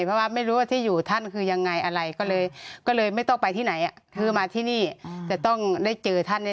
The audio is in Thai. เพราะว่าไม่รู้ว่าที่อยู่ท่านคือยังไงอะไรก็เลยไม่ต้องไปที่ไหนคือมาที่นี่จะต้องได้เจอท่าน